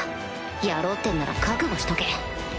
やろうってんなら覚悟しとけ